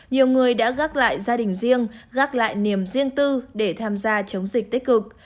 nhiều người đã gác lại gia đình riêng gác lại niềm riêng tư để tham gia chống dịch tích cực